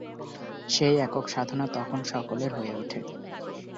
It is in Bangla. সেই একক সাধনা তখন সকলের হয়ে ওঠে।